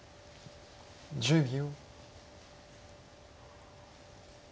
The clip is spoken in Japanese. １０秒。